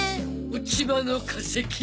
落ち葉の化石。